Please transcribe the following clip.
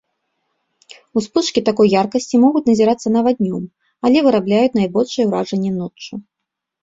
Успышкі такой яркасці могуць назірацца нават днём, але вырабляюць найбольшае уражанне ноччу.